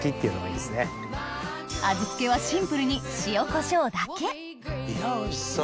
味付けはシンプルに塩コショウだけいやおいしそう！